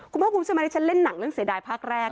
คุณผู้ชมสังเมตติฉันเล่นหนังเรื่องเสดายภาคแรก